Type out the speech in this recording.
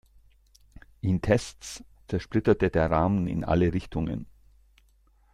In Tests zersplitterte der Rahmen in alle Richtungen.